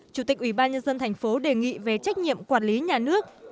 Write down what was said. chủ tịch ubnd tp đề nghị về trách nhiệm quản lý nhà nước